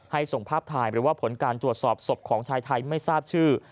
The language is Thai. ส่งภาพถ่ายหรือว่าผลการตรวจสอบศพของชายไทยไม่ทราบชื่อ